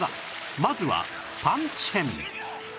まずはパンチ編